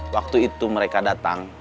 waktu itu mereka datang